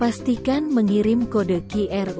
pastikan mengirim kode qr